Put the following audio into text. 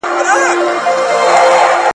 د بریا لپاره یوازي د وړتیا لرل بسنه نه کوي.